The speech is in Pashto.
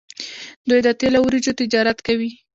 دوی د تیلو او وریجو تجارت کوي.